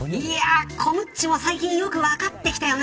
コムっちも最近よくわかってきたよね。